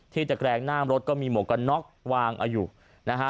ตะแกรงหน้ารถก็มีหมวกกันน็อกวางเอาอยู่นะฮะ